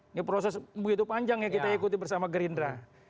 ini proses begitu panjang ya kita ikuti bersama gerindra